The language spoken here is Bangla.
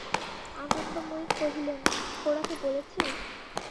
আনন্দময়ী কহিলেন, গোরাকে বলেছিস?